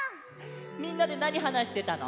みんなでなにはなしてたの？